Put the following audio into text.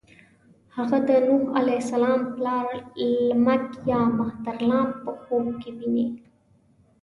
هغه د نوح علیه السلام پلار لمک یا مهترلام په خوب کې ويني.